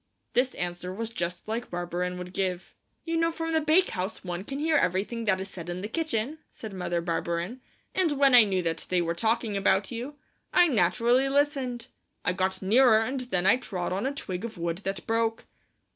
This answer was just like Barberin would give. "You know from the bakehouse one can hear everything that is said in the kitchen," said Mother Barberin, "and when I knew that they were talking about you, I naturally listened. I got nearer and then I trod on a twig of wood that broke."